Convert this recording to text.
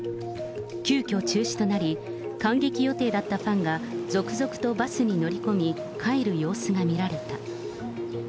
急きょ、中止となり、観劇予定だったファンが続々とバスに乗り込み、帰る様子が見られた。